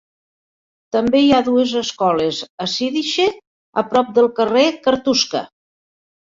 També hi ha dues escoles a Siedlce, a prop del carrer Kartuska.